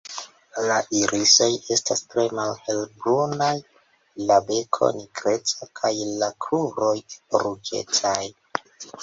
La irisoj estas tre malhelbrunaj, la beko nigreca kaj la kruroj ruĝecaj.